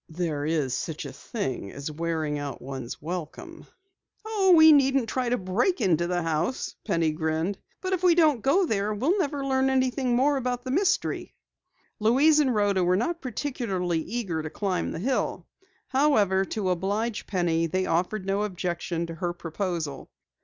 "There's such a thing as wearing out one's welcome." "Oh, we needn't try to break into the house." Penny grinned. "But if we don't go there, we'll never learn any more about the mystery." Louise and Rhoda were not particularly eager to climb the hill. However, to oblige Penny they offered no objection to her proposal.